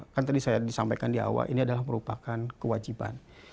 kan tadi saya disampaikan di awal ini adalah merupakan kewajiban